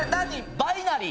バイナリー。